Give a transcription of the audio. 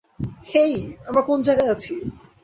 হেই, আমরা কোন জায়গায় আছি?